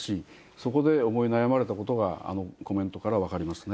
そこで思い悩まれたことがコメントから分かりますね。